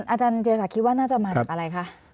อาจารย์เจรศักดิ์คิดว่าน่าจะมาจากอะไรคะ